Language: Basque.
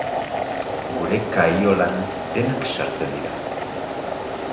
Gure kaiolan denak sartzen dira.